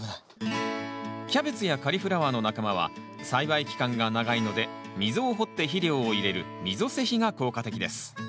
キャベツやカリフラワーの仲間は栽培期間が長いので溝を掘って肥料を入れる溝施肥が効果的です。